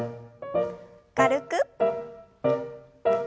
軽く。